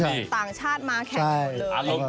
ต่างชาติมาแข่งกัน